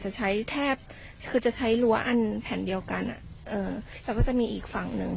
จะใช้แทบคือจะใช้รั้วอันแผ่นเดียวกันแล้วก็จะมีอีกฝั่งหนึ่ง